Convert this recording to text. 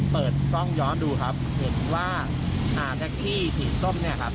เปิดกล้องย้อนดูครับเห็นว่าอ่าแท็กซี่สีส้มเนี่ยครับ